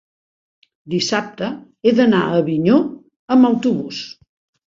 dissabte he d'anar a Avinyó amb autobús.